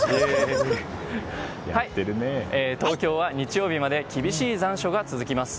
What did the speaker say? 東京は日曜日まで厳しい残暑が続きます。